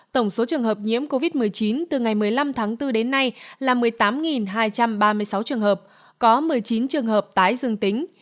tổng số trường hợp nhiễm covid một mươi chín từ ngày một mươi năm tháng bốn đến nay là một mươi tám hai trăm ba mươi sáu trường hợp có một mươi chín trường hợp tái dương tính